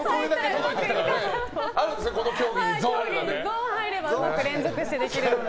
ゾーン入ればうまく連続してできるので。